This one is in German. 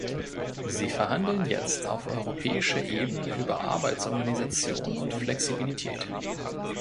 Sie verhandeln jetzt auf europäischer Ebene über Arbeitsorganisation und Flexibilität.